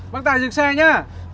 bác tài dừng xe nhé